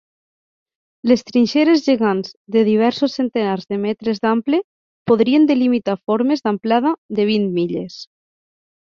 Les trinxeres gegants de diversos centenars de metres d'ample podrien delimitar formes d'amplada de vint milles.